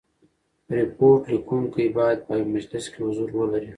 ریپورټ لیکوونکی باید په مجلس کي حضور ولري.